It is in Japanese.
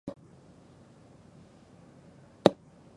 週刊誌とかファッション誌とか音楽雑誌とかゲーム雑誌が積まれていた山